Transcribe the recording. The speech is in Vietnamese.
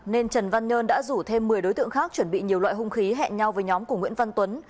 nên trần văn nhơn đã rủ thêm một mươi đối tượng khác chuẩn bị nhiều loại hung khí hẹn nhau với nhóm của nguyễn văn tuấn